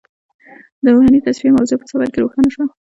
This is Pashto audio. د روحاني تصفیې موضوع په سفر کې روښانه شوه.